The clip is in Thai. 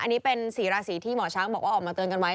อันนี้เป็น๔ราศีที่หมอช้างบอกว่าออกมาเตือนกันไว้